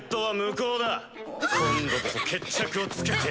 今度こそ決着をつけてやる。